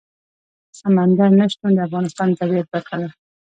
سمندر نه شتون د افغانستان د طبیعت برخه ده.